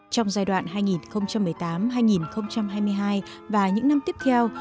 trong giai đoạn hai nghìn một mươi tám hai nghìn hai mươi hai và những năm tiếp theo